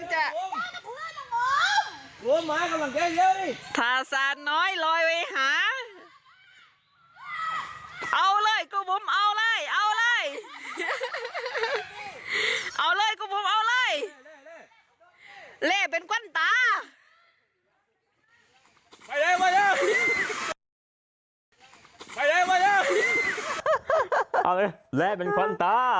แหละเป็นควั้นตา